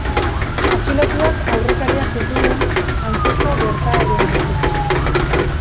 Atxilotuak aurrekariak zituen antzeko gertaerengatik.